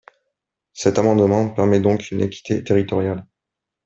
Cet amendement permet donc une équité territoriale.